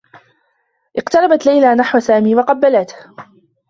اقتربت ليلى نحو سامي و قبّلته.